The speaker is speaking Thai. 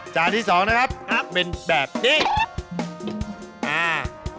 จานที่๒นะครับเป็นแบบนี้อ่า